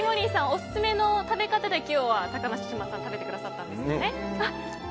オススメの食べ方で高嶋さん食べてくださったんですよね。